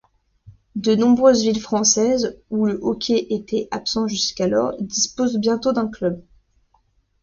De nombreuses villes françaises, où le hockey était absent jusqu’alors, disposent bientôt d’un club.